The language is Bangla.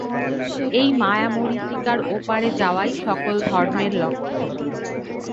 এই মায়া-মরীচিকার ওপারে যাওয়াই সকল ধর্মের লক্ষ্য।